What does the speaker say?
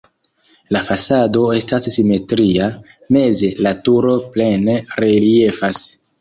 La fasado estas simetria, meze la turo plene reliefas.